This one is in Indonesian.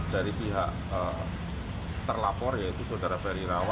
dari pihak terlapor yaitu saudara ferry rawan